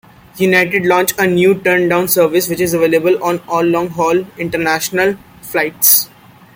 United launched a new turn-down service which is available on all long-haul international flights.